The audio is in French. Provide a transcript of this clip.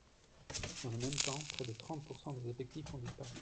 Dans le même temps, près de trente pourcent des effectifs ont disparu.